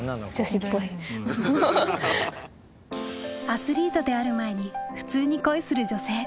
アスリートである前に普通に恋する女性。